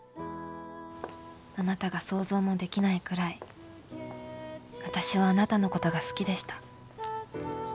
あなたが想像もできないくらい私はあなたのことが好きでした。